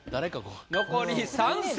残り３席。